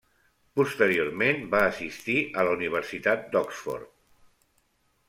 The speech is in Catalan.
Posteriorment va assistir a la Universitat d'Oxford.